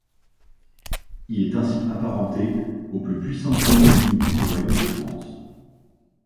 Il est ainsi apparenté aux plus puissantes familles du Midi du royaume de France.